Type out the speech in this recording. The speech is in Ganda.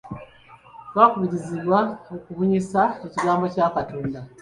Twakubirizibwa okubunyisa ekigambo kya Katonda.